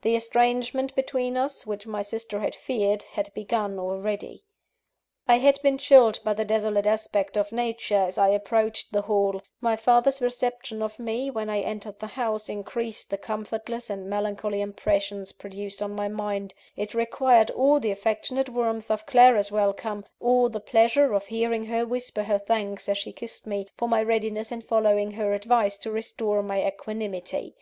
The estrangement between us, which my sister had feared, had begun already. I had been chilled by the desolate aspect of nature, as I approached the Hall; my father's reception of me, when I entered the house, increased the comfortless and melancholy impressions produced on my mind; it required all the affectionate warmth of Clara's welcome, all the pleasure of hearing her whisper her thanks, as she kissed me, for my readiness in following her advice, to restore my equanimity.